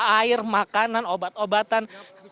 air makanan obat obatan